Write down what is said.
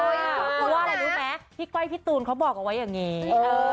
เพราะว่าอะไรรู้ไหมพี่ก้อยพี่ตูนเขาบอกเอาไว้อย่างนี้